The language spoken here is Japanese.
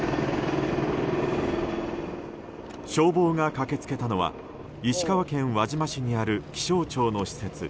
消防が駆け付けたのは石川県輪島市にある気象庁の施設